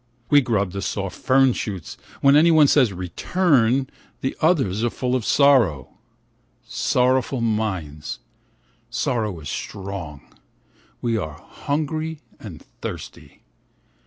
We grub the soft fern shoots, When anyone says " Return," the others are full of sorrow. Sorrowful minds, sorrow is strong, we are hungry and thirsty.